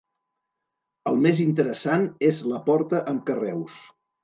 El més interessant és la porta amb carreus.